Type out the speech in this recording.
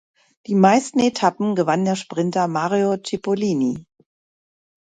Die meisten Etappen gewann der Sprinter Mario Cipollini.